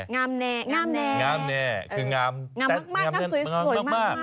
งามแหน่คืองามแป๊บงามแหน่งามสวยมาก